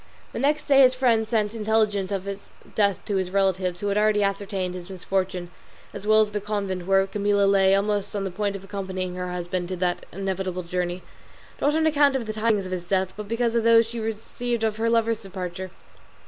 The next day his friend sent intelligence of his death to his relatives, who had already ascertained his misfortune, as well as the convent where Camilla lay almost on the point of accompanying her husband on that inevitable journey, not on account of the tidings of his death, but because of those she received of her lover's departure.